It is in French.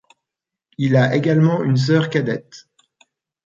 Il a également une sœur cadette.